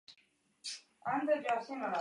En la actualidad se encuentra retirado.